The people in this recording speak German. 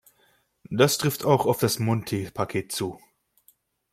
Das trifft auch auf das Monti-Paket zu.